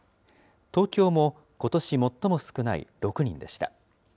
東京もことし最も少ない６人でした。